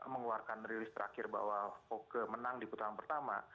mengeluarkan rilis terakhir bahwa voke menang di putaran pertama